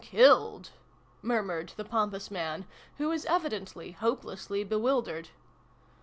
killed!" murmured the pompous man, who was evidently hopelessly bewildered.